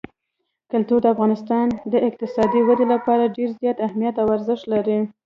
کلتور د افغانستان د اقتصادي ودې لپاره ډېر زیات اهمیت او ارزښت لري.